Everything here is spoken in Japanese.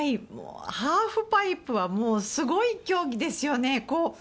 ハーフパイプはすごい競技ですよね。